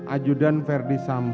ajudan ferdi sambo